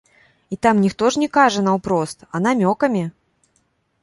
І там ніхто ж не кажа наўпрост, а намёкамі.